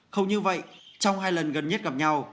không như vậy trong hai lần gần nhất gặp nhau